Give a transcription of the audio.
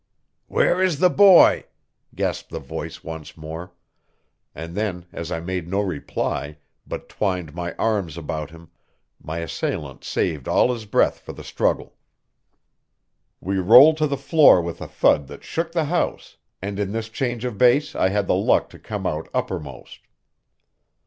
"Where is the boy?" gasped the voice once more; and then, as I made no reply, but twined my arms about him, my assailant saved all his breath for the struggle. We rolled to the floor with a thud that shook the house, and in this change of base I had the luck to come out uppermost.